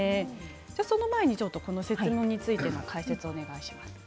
その前に、この設問についての解説をお願いします。